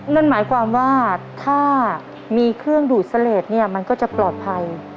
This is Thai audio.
นั่นหมายความว่าถ้ามีเครื่องดูดเสลดเนี่ยมันก็จะปลอดภัย